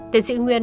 tiến sĩ nguyên